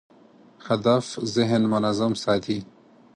هدف ذهن منظم ساتي.